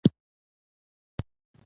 په شپږو اوو پوړونو کې جوړ شوی دی.